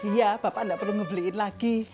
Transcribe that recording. iya bapak nggak perlu ngebeliin lagi